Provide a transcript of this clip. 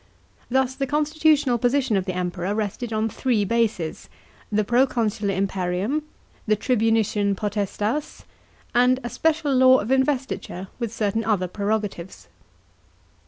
Thus the constitutional position of the Emperor rested on three bases : the proconsular imperium, the tribuniciaii potestas, and a special law of investiture with certain other prerogatives.